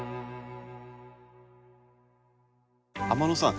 天野さん